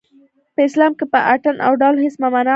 په اسلام کې په اټن او ډول هېڅ ممانعت نشته